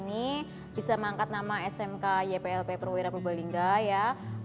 ini bisa mengangkat nama smk ypl perwira pembalingga ya